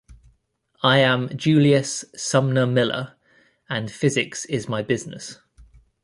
I am Julius Sumner Miller, and physics is my business.